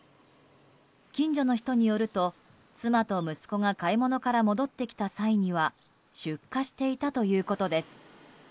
近所の人によると、妻と息子が買い物から戻ってきた際には出火していたということです。